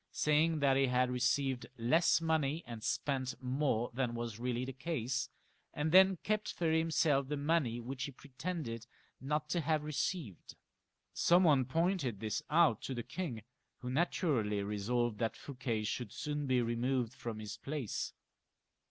■^■■i ■—■■—■■ sajring that he had received less money and spent more than was really the case, and then kept for himself the money which he pretended not to have received. Some one pointed this out to the king, who naturally resolved that Fouquet should soon be removed from his place.